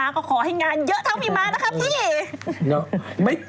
เช้าพี่ม้าก็ขอให้งานเยอะเช้าพี่ม้านะครับพี่